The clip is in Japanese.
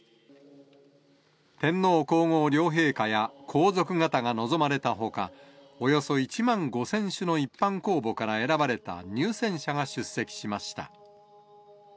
天皇皇后両陛下や皇族方が臨まれたほか、およそ１万５０００首の一般公募から選ばれた入選者が出席しました。